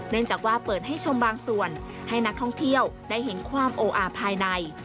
จากว่าเปิดให้ชมบางส่วนให้นักท่องเที่ยวได้เห็นความโออาภายใน